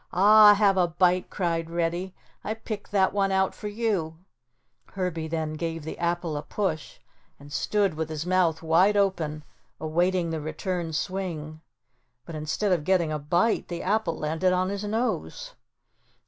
"Ah, have a bite," cried Reddy. "I picked that one out for you." Herbie then gave the apple a push and stood with his mouth wide open, awaiting the return swing, but instead of getting a bite, the apple landed on his nose.